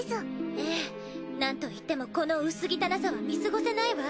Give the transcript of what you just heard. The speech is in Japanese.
ええなんといってもこの薄汚さは見過ごせないわ。